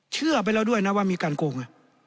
เชื่อไปแล้วด้วยนะว่ามีการโกง